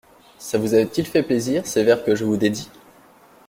Ça vous a-t-il fait plaisir, ces vers que je vous dédie ?